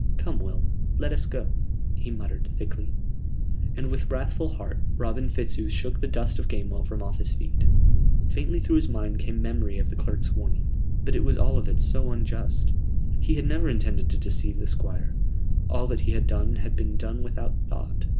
"Come, Will; let us go," he muttered, thickly: and with wrathful heart Robin Fitzooth shook the dust of Gamewell from off his feet. Faintly through his mind came memory of the clerk's warning: but it was all of it so unjust! He had never intended to deceive the Squire: all that he had done had been done without thought.